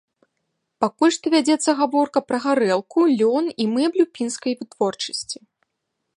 Пакуль што вядзецца гаворка пра гарэлку, лён і мэблю пінскай вытворчасці.